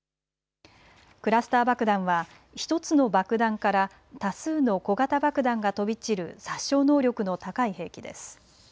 クラスター爆弾は１つの爆弾から多数の小型爆弾が飛び散る殺傷能力の高い兵器です。